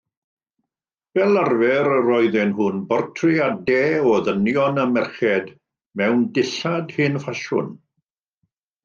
Fel arfer roedden nhw'n bortreadau o ddynion a merched mewn dillad hen-ffasiwn.